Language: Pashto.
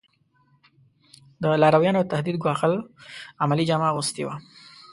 د لارویانو د تهدید ګواښل عملي جامه اغوستې وه.